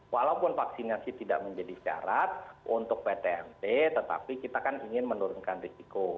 walaupun vaksinasi tidak menjadi syarat untuk ptmt tetapi kita kan ingin menurunkan risiko